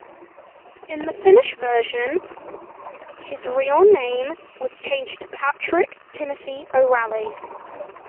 In the Finnish version his real name was changed to Patrick Timothy O'Ralley.